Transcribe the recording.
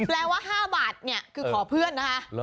แปลว่า๕บาทคือขอเพื่อนนะคะ